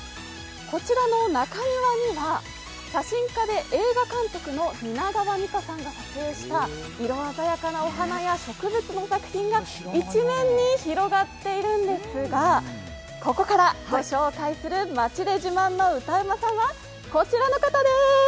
こちらの中庭には写真家で映画監督の蜷川実花さんが撮影した色鮮やかな花や植物の作品が一面に広がっているんですが、ここから御紹介する町で自慢の歌うまさんはこちらの方です！